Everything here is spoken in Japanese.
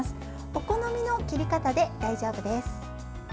お好みの切り方で大丈夫です。